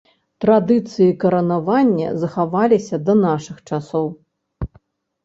Традыцыі каранавання захаваліся да нашых часоў.